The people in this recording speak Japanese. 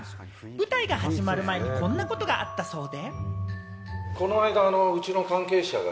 舞台が始まる前にこんなことがあったそうで。